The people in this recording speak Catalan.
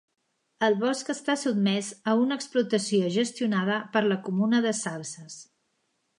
El bosc està sotmès a una explotació gestionada per la comuna de Salses.